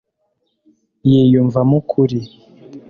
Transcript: yiyumvamo ukuri